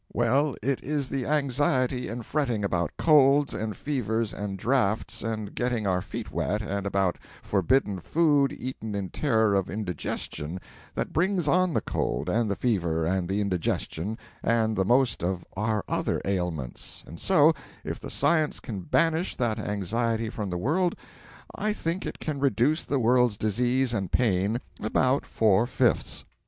Well, it is the anxiety and fretting about colds, and fevers, and draughts, and getting our feet wet, and about forbidden food eaten in terror of indigestion, that brings on the cold and the fever and the indigestion and the most of our other ailments; and so, if the Science can banish that anxiety from the world I think it can reduce the world's disease and pain about four fifths.